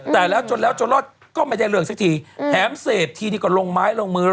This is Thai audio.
แต่แล้วจนแล้วจนรอดก็ไม่ได้เรื่องสักทีแถมเสพทีนี้ก็ลงไม้ลงมือ